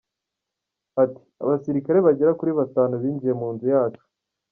Ati “Abasirikare bagera kuri batanu binjiye mu nzu yacu.